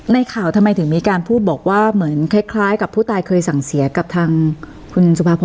ในข่าวทำไมถึงมีการพูดบอกว่าเหมือนคล้ายกับผู้ตายเคยสั่งเสียกับทางคุณสุภาพร